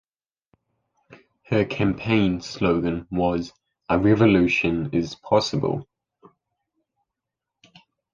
Her campaign slogan was "a revolution is possible".